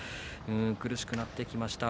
苦しくなってきました。